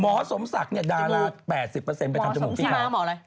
สมศักดิ์เนี่ยดารา๘๐ไปทำจมูกสีขาว